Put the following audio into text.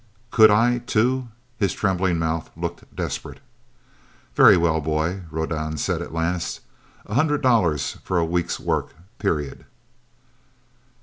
"Could I too?" His trembling mouth looked desperate. "Very well, boy," Rodan said at last. "A hundred dollars for a week's work period."